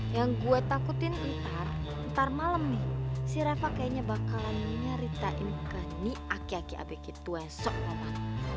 yang gue takutin entar entar malem nih si reva kayaknya bakalan nyaritain ke ni aki aki abik itu esok ngomong